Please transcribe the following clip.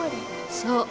そう。